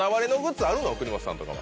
国本さんとかは。